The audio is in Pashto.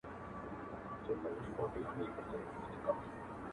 چي ښکاري موږکان ټوله و لیدله,